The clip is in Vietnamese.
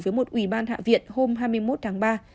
với một ủy ban hạ viện hôm hai mươi một tháng ba